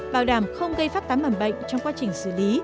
bảo đảm không gây phát tám mảnh bệnh trong quá trình xử lý